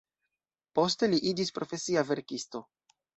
Poste li iĝis profesia verkisto.